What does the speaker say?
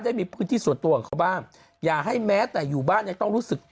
ได้มีพื้นที่ส่วนตัวของเขาบ้างอย่าให้แม้แต่อยู่บ้านยังต้องรู้สึก